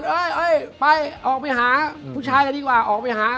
เอ้ยไปออกไปหา